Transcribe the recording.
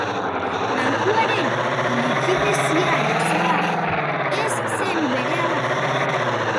Bankuaren likidezia-arazoa ez zen berehala joan.